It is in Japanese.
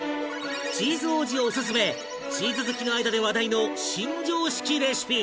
チーズ王子オススメチーズ好きの間で話題の新常識レシピ